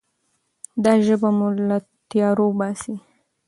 دا ژبه مو له تیارو باسي.